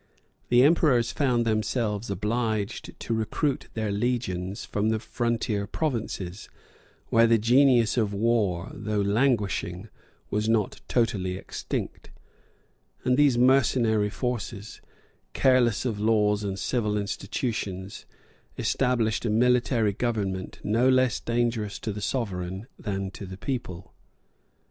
The emperors found themselves obliged to recruit their legions from the frontier provinces, where the genius of war, though languishing, was not totally extinct; and these mercenary forces, careless of laws and civil institutions, established a military government no less dangerous to the sovereign than to the people.